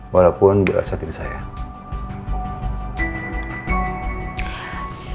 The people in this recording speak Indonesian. walaupun dia rasa tersayang